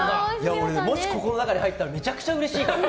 俺、もしここの中に入ったらめちゃくちゃうれしいかも。